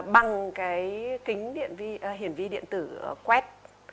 bằng cái kính hiển vi điện tử quét